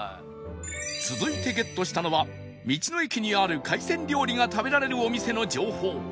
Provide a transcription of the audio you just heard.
続いてゲットしたのは道の駅にある海鮮料理が食べられるお店の情報